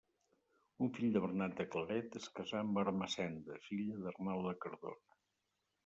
Un fill de Bernat de Claret es casà amb Ermessenda, filla d’Arnau de Cardona.